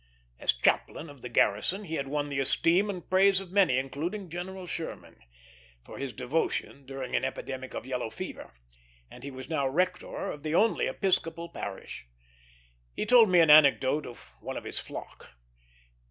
As chaplain to the garrison, he had won the esteem and praise of many, including General Sherman, for his devotion during an epidemic of yellow fever, and he was now rector of the only Episcopal parish. He told me an anecdote of one of his flock.